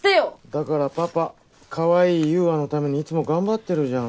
だからパパかわいい優愛のためにいつも頑張ってるじゃん。